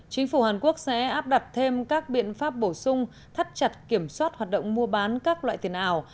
chính phủ hàn quốc sẽ áp đặt thêm các biện pháp bổ sung thắt chặt kiểm soát hoạt động mua bán các loại tiền ảo